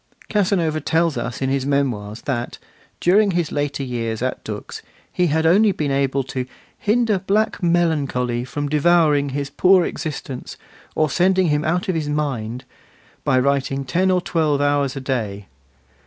Casanova tells us in his Memoirs that, during his later years at Dux, he had only been able to 'hinder black melancholy from devouring his poor existence, or sending him out of his mind,' by writing ten or twelve hours a day.